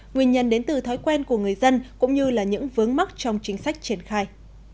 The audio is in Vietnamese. nguyên nhân đến từ thói quen của người dân cũng như là những vướng mắc trong chính sách triển khai